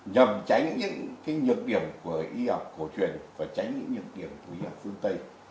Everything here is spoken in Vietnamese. nhằm tránh những cái nhược điểm của y học cổ truyền và tránh những nhược điểm của y học phương tây